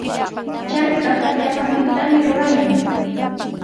Charkitaqa llamapitami rurayan.